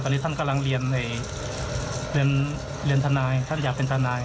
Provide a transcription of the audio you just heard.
ตอนนี้ท่านกำลังเรียนในเรียนเรียนทนายท่านอยากเป็นทนาย